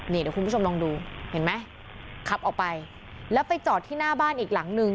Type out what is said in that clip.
เดี๋ยวคุณผู้ชมลองดูเห็นไหมขับออกไปแล้วไปจอดที่หน้าบ้านอีกหลังนึง